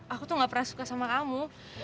aku tuh gak pernah suka sama kamu